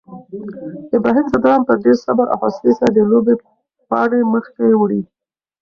ابراهیم ځدراڼ په ډېر صبر او حوصلې سره د لوبې پاڼۍ مخکې وړي.